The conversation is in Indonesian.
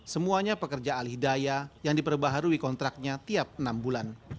semuanya pekerja alih daya yang diperbaharui kontraknya tiap enam bulan